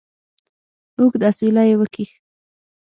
اوږد اسویلی یې وکېښ.